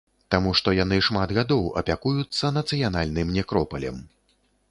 Таму, што яны шмат гадоў апякуюцца нацыянальным некропалем.